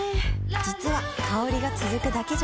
実は香りが続くだけじゃない